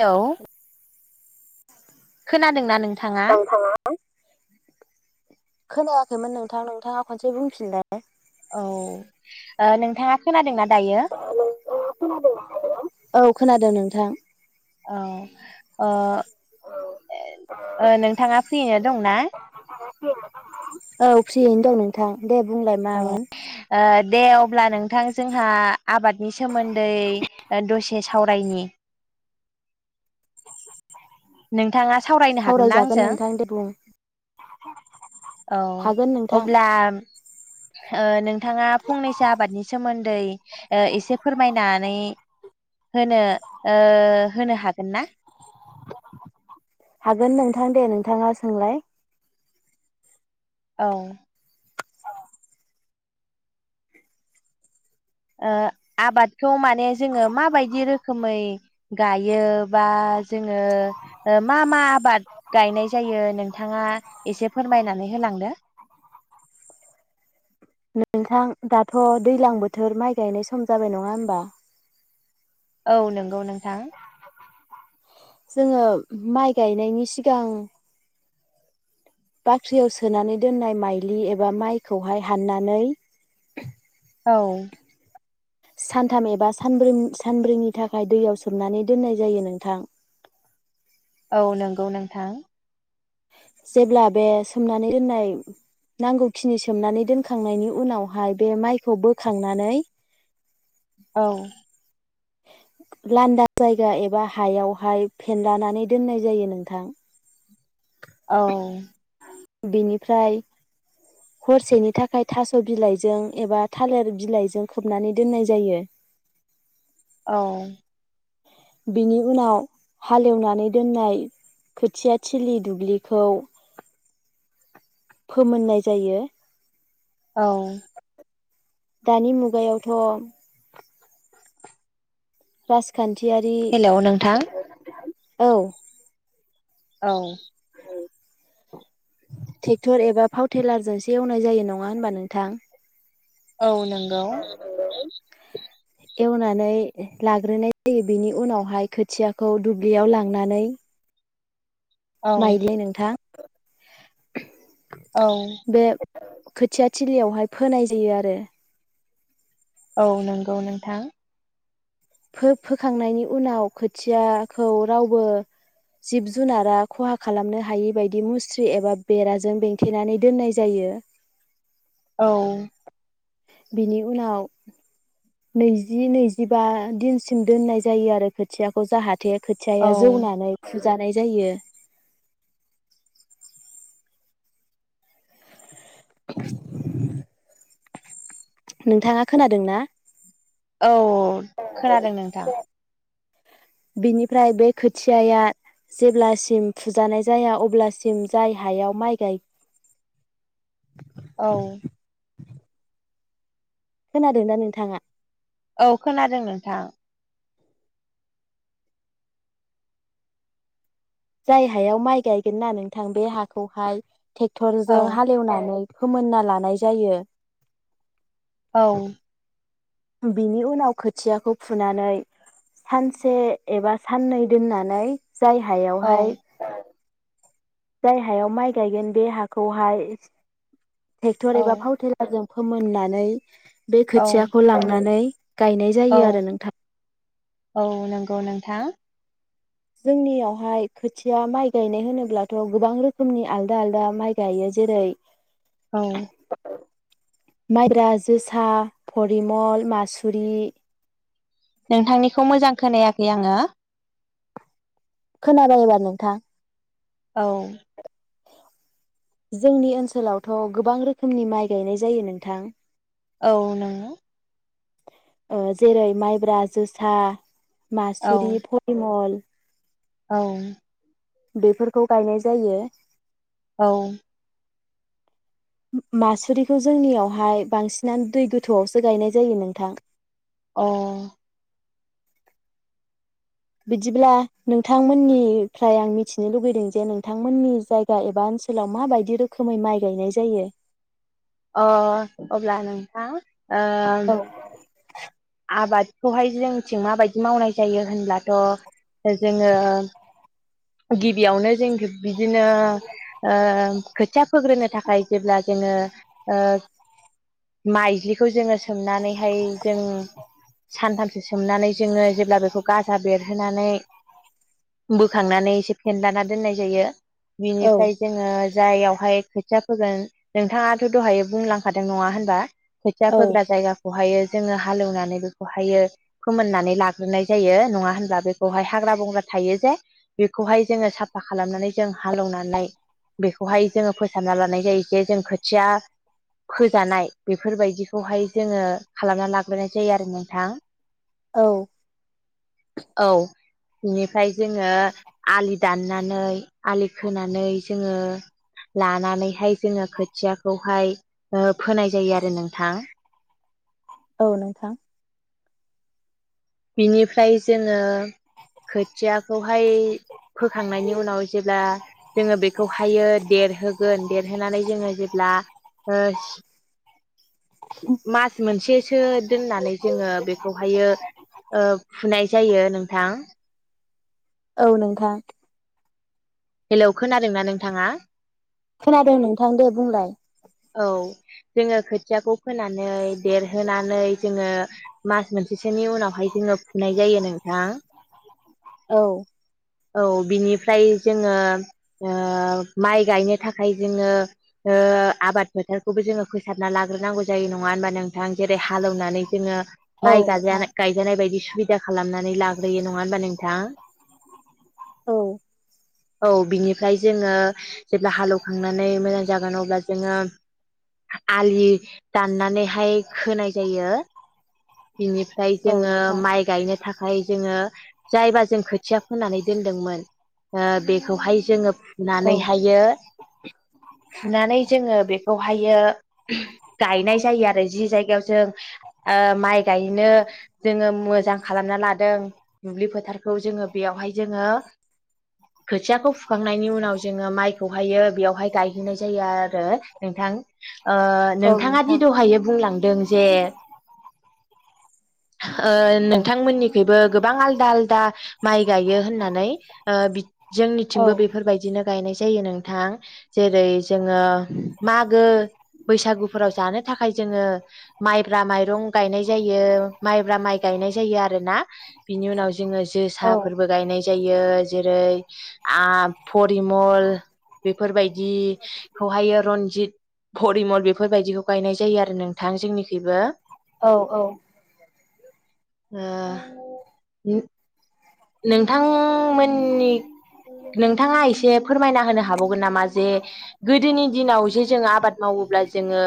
हेल' खोनादोंना नों आंथाङा खोनाया खैमोन नोंथां नोंथाङा खनसे बुंफिनलाय। औ ओ नोंथाङा खोनादों ना [unintelligible] औ खोनादों । दों नोंथां । औ ओ । ओ नोंथाङा फ्रिनो दंना? औ फ्रियैनो दं नोंथां । ओ अ दे अब्ला नों नोंथां जोंहा आबादनि सोमोन दै दसे सावरायनि । नोंथाङा सावरायनो हागोन ना सावरायजागोन आंजों नोंथां दे बुं औ हागोन नोंथां अब्ला ओ नोंथाङा फंनैसो आबादनि सोमोन्दै ओ एसे फोरमायनानै होनो ओ होनो हागोन ना? हागोन नोंथां दे नोंथाङा सोंलाय औ ओ आबादखौ माने जोङो माबायदि रोखोमै गायो बा जोङो ओ मा मा आबाद गायनाय जायो नोंथाङा एसे फोरमायनानै होलांदो । नोंथां दाथ' दैलां बोथोर माइ गायनाय सम जाबाय नङा होमबा? औ नंगौ नोंथां । जोङो माइ गायनायनि सिगां बाख्रियाव सोनानै दोननाय माइलि एबा माइखौहाय हाननानै औ । सानथाम एबा सानब्रै सानब्रैनि थाखाय दैयाव सोमनानै दोननाय जायो नोंथां । औ नंगौ नोंथां । जेब्ला बे सोमनानै दोननाय नांगौखिनि सोमनानै दोनखांनायनि उनावहाय बे माइखौ बोखांनानै औ लान्दा जायगा एबा हायावहाय फेनलानानै दोननाय जायो नोंथां। औ बिनिफ्राय हरसेनि थाखाय थास' बिलाइजों एबा थालिर बिलाइजों खोबनानै दोननाय जायो। औ बिनि उनाव हालेवनानै दोननाय खोथिया थिलि दुब्लिखौ फोमोननाय जायो। औ दानि मुगायावथ' राज खान्थियारि हेलौ नोंथां औ औ ट्रेक्टर एबा फावटेलारजोंसो एवनाय जायो नङा होनबा नोंथां? औ नंगौ एवनानै लाग्रोनाय जायो बेनि उनावहाय खोथियाखौ दुब्लियाव लांनानै औ माइदि नोंथां [inaudible] औ बे खोथिया थिलियावहाय फोनाय जायो आरो। औ नंगौ नोंथां। फो-फोखांनायनि उनाव खोथियाखौ रावबो जिब जुनारा खहा खालामनो हायि बायदि मुस्रि एबा बेराजों बेंथेनानै दोननाय जायो। औ बिनि उनाव नैजि नैजिबा दिनसिम दोननाय जायो आरो खोथियाखौ जाहा थे औ खोथियाया जौनानै फु जानाय जायो। [inaudible] नोंथाङा खोनादों ना? औ खोनादों नोंथां। बिनिफ्राय बे खोथियाया जेब्लासिम फुजानाय जाया अब्लासिम जाय हायाव माइ गाय औ खोनादों दा नोंथाङा? औ खोनादों नोंथां। जाय हायाव माइ गायगोन ना नोंथां बे हाखौहाय औ ट्रेक्टरजों हाल एवनानै फोमोनना लानाय जायो। औ बिनि उनाव खोथियाखौ फुनानै सानसे एबा साननै दोननानै जाय औ हायावहाय जाय हायाव माइ गायगोन बे हाखौहाय ट्रेक्टर औ एबा पावार टेलारजों फोमोननानै बे औ खोथियाखौ लांनानै गायनाय औ जायो आरो नोंथां। थां। जोंनियावहाय खोथिया माइ गायनाय होनोब्लाथ गोबां रोखोमनि आलदा आलदा माइ गायो। जेरै औ। माइद्रा, जोसा, फरिमल, मासुरि नोंथांनिखौ मोजां खोनायाखै आङो। खोनाबाय एबार नोंथां? औ। जोंनि ओनसोलावथ गोबां रोखोमनि माइ गायनाय जायो नोंथां। औ नोंगो ओ जेरै माइब्रा, जोसा औ मासुरि, फलिमल औ बेफोरखौ गायनाय जायो औ मासुरिखौ जोंनियावहाय बांसिनानो दै गोथौआवसो गायनाय जायो नोंथां अ बिदिब्ला नोंथांमोननिफ्राय आं मिथिनो लुगैदों जे नोंथांमोननि जायगा एबा ओनसोलाव माबायदि रोखोमै माइ गायनाय जायो अ अब्ला नोंथां ओम औ आबादखौहाय जोंथिं माबायदि मावनाय जायो होनब्लाथ जोङो गिबियावनो जों बिदिनो ओ खोथिया फोग्रोनो थाखाय जेब्ला जोङो ओ माइज्लिखौ जोङो सोमनानैहाय जों सानथाम सोमनानै जोङो जेब्ला बेखौ गाजा बेरहोनानै बोख थांनानै एसे फेन लाना दोननाय जायो औ बिनिफ्राय जोङो जाययावहाय खोथिया फोगोन नोंथाङाथ दहाय बुंलांखादों नङा होनबा खोथिया फोग्रा जायगा बेखौहायो जोङो हालौवनानै बेखौहायो फोमोननानै लाग्रोनाय जायो नङा होनब्ला बेखौहाय हाग्रा बंग्रा थायो जे बेखौहाय जोङो साफा खालामनानै जों हालौवनानै बेखौहाय जोङो फोसाबना लानाय जायो जे जों खोथिया फोजानाय बेफोरबायदिखौहाय जोङो खालामना लाग्रोनाय जायो आरो नोंथां औ औ बिनिफ्राय जोङो आलि दाननानै आलि खोनानै जोङो लानानैहाय जोङो खोथियाखौहाय ओ फोनाय जायो आरो नोंथां औ नोंथां बिनिफ्राय जोङो खोथियाखौहाय फोखांनायनि उनाव जेब्ला जोङो बेखौहायो देरहोगोन देरहोनानै जोङो जेब्ला ओ मास मोनसेसो दोननानै जोङो बेखौहायो ओ फुनाय जायो नोंथां। औ नोंथां। हेलौ खोनादों ना नोंथाङा? खोनादों नोंथां दे बुंलाय। औ जोङो खोथियाखौ फोनानै देरहोनानै जोङो मास मोनसेसोनि उनावहाय जोङो फुनाय जायो नोंथां। औ। औ बिनिफ्राय जोङो ओ माइ गायनो थाखाय जोङो ओ आबाद फोथारखौबो जोङो फोसाबना लाग्रोनांगौ जायो नङा होनबा नों थां जेरै हालौनानै जोङो औ माइ नोंथां गायजानाय गायजानाय बायदि सु सुबिदा खालामनानै लाग्रोयो नङा होमबा नोंथां? औ। औ बिनिफ्राय जोङो जेब्ला हालौखांनानै मोजां जागोन अब्ला जोङो आलि दाननानैहाय खोनाय जायो। बिनिफ्राय औ जोङो नोंथां माइ गायनो थाख फाय जोङो। जायबा जों खोथिया फोनानै दोनदोंमोन ओ बेखौहाय जोङो औ फुनानैहायो फुनानै जोङो बे बेवहायो गायनाय जायो आरो जि जायगायाव जों ओ माइ गायनो जोङो मोजां खालामना लादों दुब्लि फोथारखौ जोङो बेयावहाय जोङो खोथियाखौ फुखांनायनि उनाव जोङो माइखौहायो बेयावहाय गायहैनाय जायो आरो नोंथां। ओ औ नोंथाङा दि नोंथां दहायो बुंलांदों जे ओ औ नोंथांमोननिखैबो गोबां आलदा आलदा। माइ गायो होननानै ओ बि औ जोंनिथिंबो बेफोरबायदिनो। गायनाय जायो नोंथां जेरै जोङो मागो बैसागुफोराव जानो थाखाय जोङो माइब्रा माइरं गायनाय जायो। माइ ब्रा माइ गायनाय जायो आरोना बिनि उनाव जोङो औ जोसाफोरबो गायनाय जायो जेरै आ फरिमल बेफोरबायदिखौहायो रनजित भरिमल बेफोरबायदिखौ गायनाय जायो आरो नोंथां जोंनिखैबो। औ औ ओ [inaudible] नोंथां मो मोननि नोंथाङा एसे फोरमायना होनो हाबावगोन नामा जे गोदोनि दिनाव जे जों आबाद मावोब्ला जोङो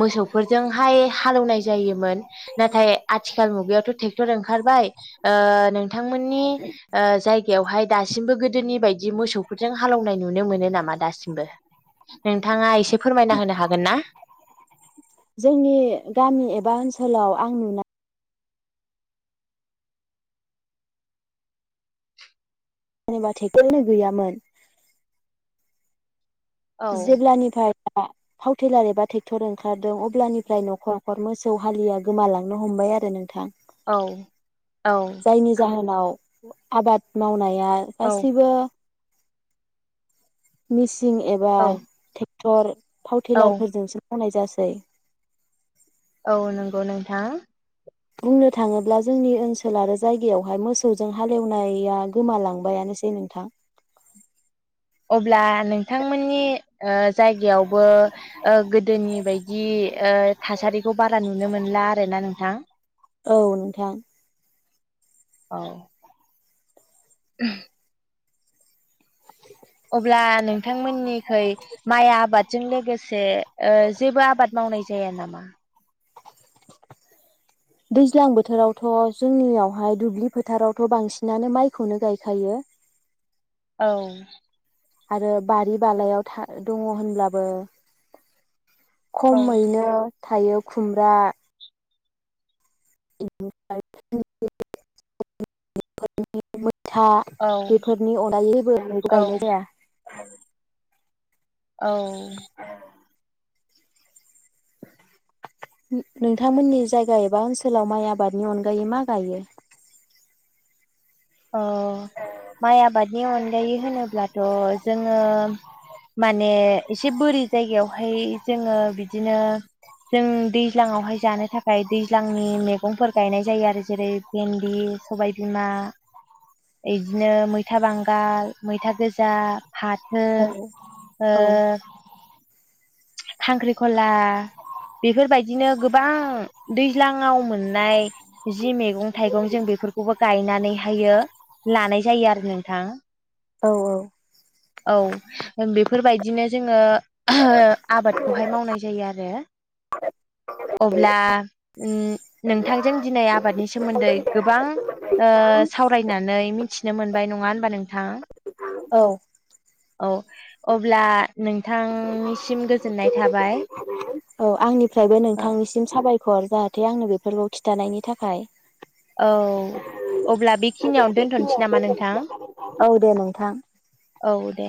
मोसौफोरजोंहाय हालेवनाय जायोमोन नाथाय आथिखाल मुगायावथ टेक्टर ओंखारबाय ओ नोंथां ओ जायगायावहाय दासिमबो गोदोनि बायदि मोसौफोरजों हालेवनाय नुनो मोनो नामा दासिमबो नोंथाङा एसे फोरमायना होनो हागोन ना? जोंनि गामि एबा ओनसोलाव आं नुना जेनेबा थेकेलनो गैयामोन। औ जेब्लानिफाय बा थाव थेलार एबा टेक्टर ओंखारदों अब्लानिफ्राय नखर नखर मोसौ हालिया गोमालांनो हमबाय आरो नोंथां। औ औ। नाव आबाद मावनाय या गासिबो मिस सिं एबा औ टे थर थाव औ थेलारफोरजोंसो मावनाय जा सै औ नोंगौ नोंथां। बुंनो थाङोब्ला जोंनि ओनसोल आरो जायगायावहाय मोसौजों हालेवनाया गोमालांबायानोसै नोंथां। अब्ला नोंथांमोननि ओ जायगायावबो ओ गोदोनि बायदि ओ थासारिखौ बारा नुनो मोनला आरोना नों थां औ नोंथां। औ [unintelligible] अब्ला नोंथांमोननिखै माइ आबादजों लोगोसे ओ जेबो आबाद मावनाय जाया नामा? दैज्लां बोथोरावथ' जोंनियावहाय दुब्लि फोथारावथ' बांसिनानो माइखौनो गायखायो। औ आरो बारि बालायाव था दङ होनब्लाबो औ खमैनो थायो खुमब्रा [unintelligible] [unintelligible] था औ बेफोरनि अरायैबो गायनाय औ जाया। [inaudible] औ नो-नोंथांमोननि जायगा एबा ओनसोलाव माइ आबादनि अनगायै मा गायो? अ' माइ आबादनि अनगायै होनोब्लाथ' जोङो माने एसे बोरि जायगायावहाय जोङो बिदिनो जों दैज्लाङावहाय जानो थाखाय दैज्लांनि मैगंफोर गायनाय जायो आरो जेरै बिन्दि, सबाय बिमा बिदिनो मैथा बांगाल, मैथा गोजा फाथो औ ओ औ खांख्रि खला बेफोरबायदिनो गोबां दैज्लाङाव मोननाय जि मैगं थाइगं जों बेफोरखौबो गायनानैहायो लानाय जायो आरो नोंथां। औ औ। औ बे फोरबायदिनो जोङो आबादखौहाय मावनाय जायो आरो अब्ला उम नोंथांजों दिनै आबादनि सोमोन्दै गोबां ओ सावरायनानै मिथिनो मोनबाय नङा होनबा नों औ औ अब्ला नोंथांनिसिम गोजोननाय थाबाय औ आंनिफ्रायबो नोंथांनिसिम साबाय खर जाहाथे आंनो बेफोरखौ खिथानायनि थाखाय। औ अब्ला बेखिनियावनो दोनथ'नोसै नामा नोंथां? औ दे नोंथां। औ दे।